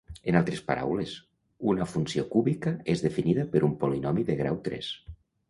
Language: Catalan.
En altres paraules, una funció cúbica és definida per un polinomi de grau tres.